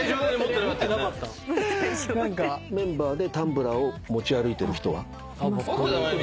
メンバーでタンブラーを持ち歩いてる人は？